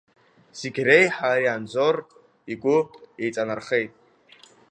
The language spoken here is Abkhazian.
Зегь реиҳа ари Анзор игәы еиҵанархеит.